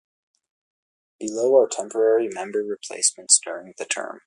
Below are temporary member replacements during the term.